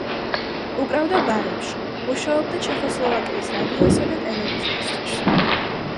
უკრავდა ბარებში, მუშაობდა ჩეხოსლოვაკიის რადიოსა და ტელევიზიისთვის.